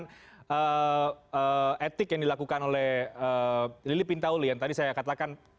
dengan etik yang dilakukan oleh lili pintauli yang tadi saya katakan